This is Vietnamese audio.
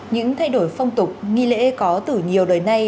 những thay đổi phong tục nghi lễ có từ nhiều đời nay